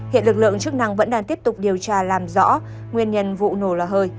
hiện lực lượng chức năng vẫn đang tiếp tục điều tra làm rõ nguyên nhân vụ nổ lò hơi